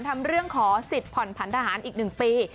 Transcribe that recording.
ทำเรื่องขอสิทธิ์ผ่อนผันทหารอีก๑ปี